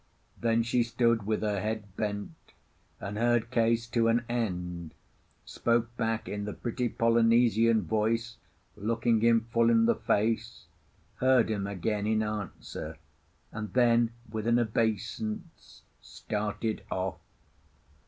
Then she stood with her head bent, and heard Case to an end, spoke back in the pretty Polynesian voice, looking him full in the face, heard him again in answer, and then with an obeisance started off.